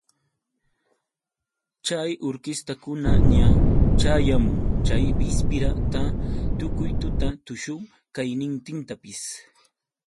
Chay urkistakunaña ćhayamun chay bispira ta tukuy tuta tushun qaynintintapis.